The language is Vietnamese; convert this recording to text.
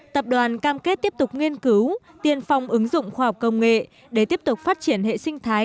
tập đoàn cam kết tiếp tục nghiên cứu tiên phong ứng dụng khoa học công nghệ để tiếp tục phát triển hệ sinh thái